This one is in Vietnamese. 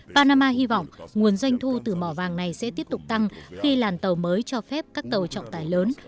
panama hy vọng nguồn doanh thu từ mỏ vàng này sẽ tiếp tục tăng khi làn tàu mới cho phép các tàu trọng tài lớn